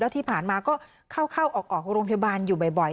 ที่ผ่านมาก็เข้าออกโรงพยาบาลอยู่บ่อย